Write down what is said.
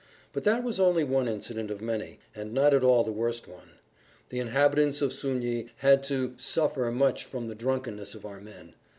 But that was only one incident of many, and not at all the worst one. The inhabitants of Sugny had to suffer much from the drunkenness of our men.